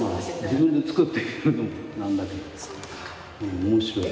自分で作って言うのも何だけど面白い。